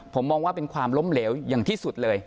ผมมองว่าเป็นความล้มเหลวอย่างที่สุดเลย